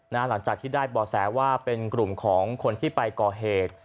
หลังจากที่ได้บ่อแสว่าเป็นกลุ่มของคนที่ไปก่อเหตุ